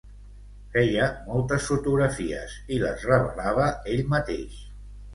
Feia moltes fotografies i les revelava ell mateix.